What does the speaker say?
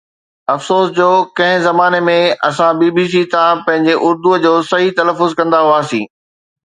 افسوس جو ڪنهن زماني ۾ اسان بي بي سي تان پنهنجي اردو جو صحيح تلفظ ڪندا هئاسين